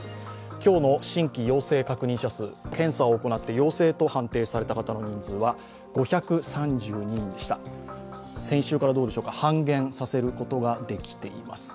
今日の新規陽性者数、検査を行って陽性と判定された方の人数は５３７人でした、先週から半減させることができています。